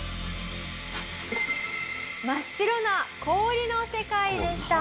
真っ白な氷の世界でした。